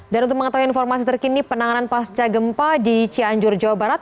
dan untuk mengetahui informasi terkini penanganan pasca gempa di cianjur jawa barat